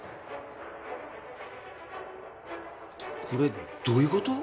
これどういう事？